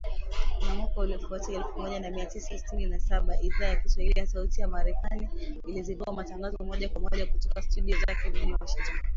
Na mwaka uliofuata, elfu moja mia tisa sitini na saba, Idhaa ya Kiswahili ya Sauti ya Amerika ilizindua matangazo ya moja kwa moja kutoka studio zake mjini Washington